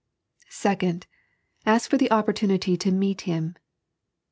Second, ask for the opportunity to meet him.